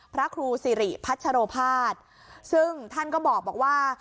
พระครูสิริพัชโรภาษซึ่งท่านก็บอกว่า